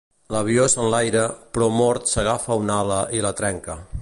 L'avió s'enlaire, però Mort s'agafa a una ala i la trenca.